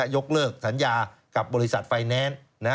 ยกเลิกสัญญากับบริษัทไฟแนนซ์